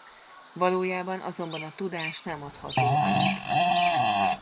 Valójában azonban a tudás nem adható át.